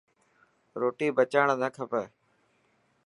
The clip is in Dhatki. روٽي بچائڻ نه کپي.